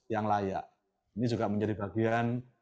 yang layak ini juga menjadi bagian